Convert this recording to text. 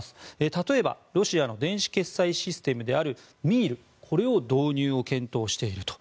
例えばロシアの電子決済システムであるミールの導入を検討していると。